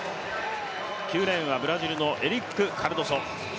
９レーンはブラジルのエリック・カルドソ。